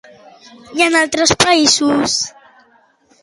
I en altres països?